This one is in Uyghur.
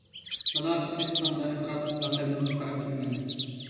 تالا-تۈزگە چىققاندا ئەتراپىمغا تەلمۈرۈپ قاراپ كىتىمەن.